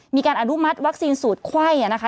มีการอนุมัติวัคซีนสูตรไข้นะคะ